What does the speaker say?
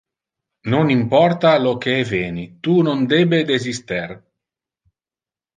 Non importa lo que eveni, tu non debe desister.